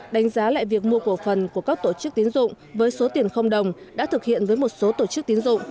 đánh giá lại việc mua cổ phần của các tổ chức tiến dụng với số tiền đồng đã thực hiện với một số tổ chức tín dụng